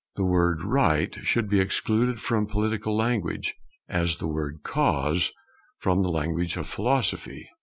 The word Right should be excluded from political language, as the word Cause from the language of philosophy.